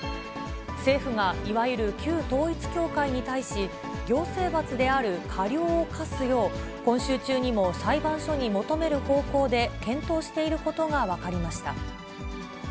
政府がいわゆる旧統一教会に対し、行政罰である過料を科すよう、今週中にも裁判所に求める方向で検討していることが分かりました。